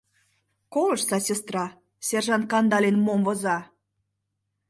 — Колыштса, сестра, сержант Кандалин мом воза!